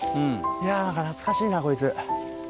いや懐かしいなこいつ。